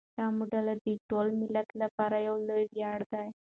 دا مډال د ټول ملت لپاره یو لوی ویاړ دی.